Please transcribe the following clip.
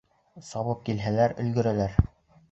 Сабып килһәләр, өлгөрәләр!